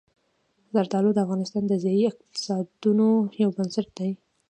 زردالو د افغانستان د ځایي اقتصادونو یو بنسټ دی.